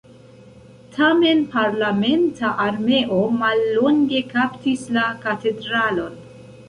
Tamen parlamenta armeo mallonge kaptis la katedralon.